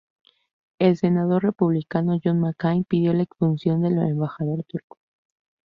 El senador republicano John McCain pidió la expulsión del embajador turco.